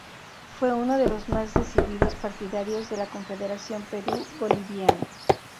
Fue uno de los más decididos partidarios de la Confederación Perú-Boliviana.